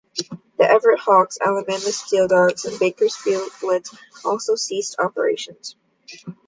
The Everett Hawks, Alabama Steeldogs, and the Bakersfield Blitz also ceased operations.